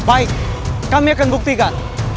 baik kami akan buktikan